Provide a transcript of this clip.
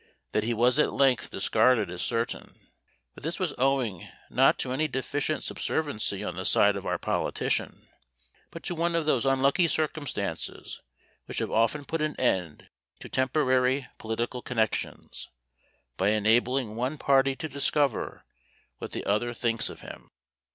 That he was at length discarded is certain; but this was owing not to any deficient subserviency on the side of our politician, but to one of those unlucky circumstances which have often put an end to temporary political connexions, by enabling one party to discover what the other thinks of him.